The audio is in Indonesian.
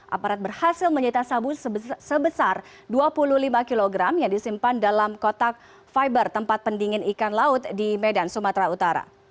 aparat berhasil menyita sabu sebesar dua puluh lima kg yang disimpan dalam kotak fiber tempat pendingin ikan laut di medan sumatera utara